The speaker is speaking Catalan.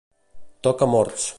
Toc a morts.